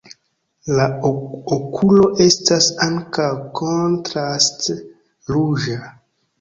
La okulo estas ankaŭ kontraste ruĝa.